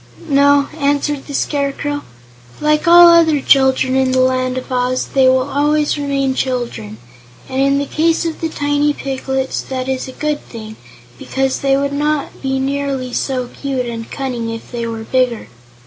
"No," answered the Scarecrow; "like all other children in the Land of Oz, they will always remain children, and in the case of the tiny piglets that is a good thing, because they would not be nearly so cute and cunning if they were bigger."